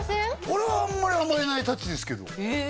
俺はあんまり甘えないタチですけどええっ？